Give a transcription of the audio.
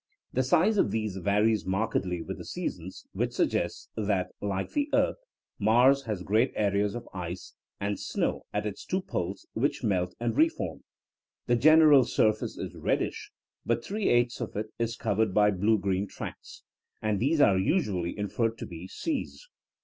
The size of these varies markedly with the seasons, which suggests that like the earth, Mars has great areas of ice and snow at its two poles which melt and re form. The general surface is reddish, but three eighths of it is covered by blue green tracts, and these are usually inferred to be seas.